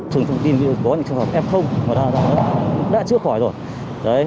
trường thông tin có những trường hợp f đã chữa khỏi rồi